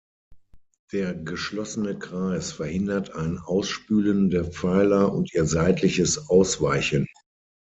Der geschlossene Kreis verhindert ein Ausspülen der Pfeiler und ihr seitliches Ausweichen.